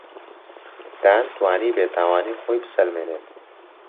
دان توانی بێتاوانی خۆی بسەلمێنێت.